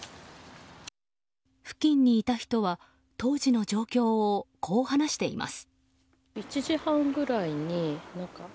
付近にいた人は当時の状況をこう話しています。